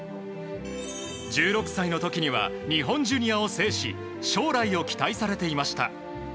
１６歳の時には日本ジュニアを制し将来を期待されていました。